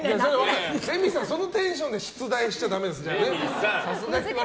レミさん、そのテンションで出題しちゃだめです。